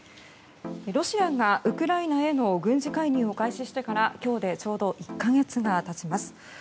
ロシアがウクライナへの軍事介入を開始してから今日でちょうど１か月が経ちます。